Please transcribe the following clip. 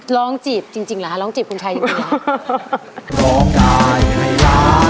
ร้องจีบจริงหรอร้องจีบผู้ชายอยู่ไหน